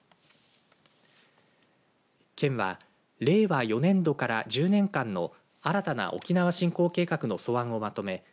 県は令和４年度から１０年間の新たな沖縄振興計画の素案をまとめ